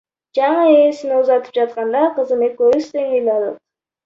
Жаңы ээсине узатып жатканда, кызым экөөбүз тең ыйладык.